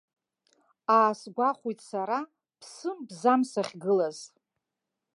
Аасгәахәит сара, ԥсым-бзам сахьгылаз.